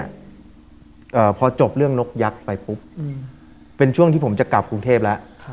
พอจบเรื่องนกยักษ์ไปปุ๊บเป็นช่วงที่ผมจะกลับกรุงเทพแล้ว